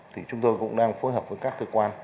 thì chúng tôi cũng đang phối hợp với các cơ quan